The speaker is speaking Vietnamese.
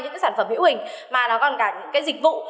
những cái sản phẩm hữu hình mà nó còn cả những cái dịch vụ